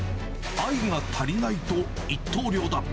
愛が足りないと、一刀両断。